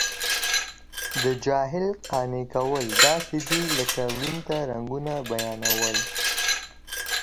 د جاهل قانع کول داسې دي لکه ړوند ته رنګونه بیانوي.